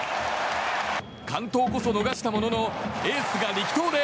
完投こそ逃したもののエースが力投で